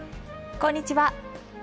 こんにちは。